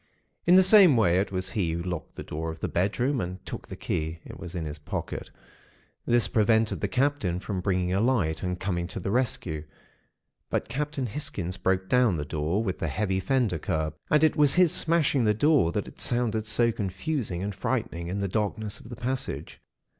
"In the same way, it was he who locked the door of the bedroom, and took the key (it was in his pocket). This prevented the Captain from bringing a light, and coming to the rescue. But Captain Hisgins broke down the door, with the heavy fender curb; and it was his smashing the door that had sounded so confusing and frightening in the darkness of the passage.